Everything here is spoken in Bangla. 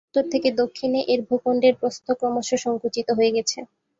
উত্তর থেকে দক্ষিণে এর ভূখণ্ডের প্রস্থ ক্রমশ সঙ্কুচিত হয়ে গেছে।